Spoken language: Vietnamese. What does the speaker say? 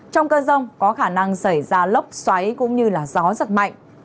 trong cơn rông có khả năng xảy ra lốc xoáy cũng như gió giật mạnh